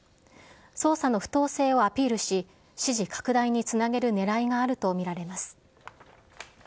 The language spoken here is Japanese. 捜査の不当性をアピールし、支持拡大につなげるねらいがあると見られます。